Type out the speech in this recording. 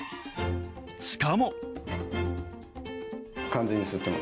しかも。